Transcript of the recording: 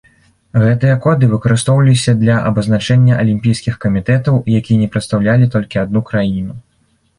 Гэтыя коды выкарыстоўваліся для абазначэння алімпійскіх камітэтаў, якія не прадстаўлялі толькі адну краіну.